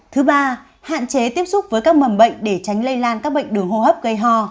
thứ ba hạn chế tiếp xúc với các mầm bệnh để tránh lây lan các bệnh đường hô hấp gây ho